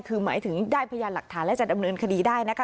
คือหมายถึงได้พยานหลักฐานและจะดำเนินคดีได้นะคะ